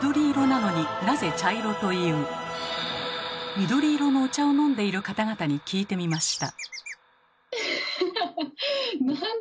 緑色のお茶を飲んでいる方々に聞いてみました。